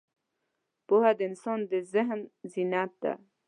پوهه د انسان د ذهن زینت ده.